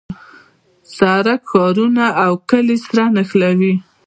سړک ښارونه او کلیو سره نښلوي.